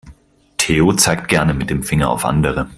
Theo zeigt gerne mit dem Finger auf andere.